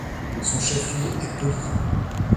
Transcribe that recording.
Son chef-lieu est Poli.